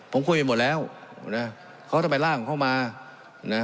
ผมคุยกันหมดแล้วเนี่ยเขาต้องไปล่าของเขามาน่ะ